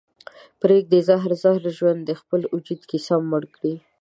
پرېږده زهر زهر ژوند دې خپل وجود کې سم مړ کړي